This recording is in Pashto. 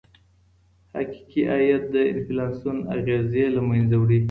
حقیقي عاید د انفلاسیون اغیزې له منځه وړي.